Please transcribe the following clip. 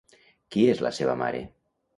Qui és la seva mare?